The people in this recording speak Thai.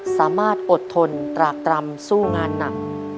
สามารถอดทนตรากตรำสู้งานหนัก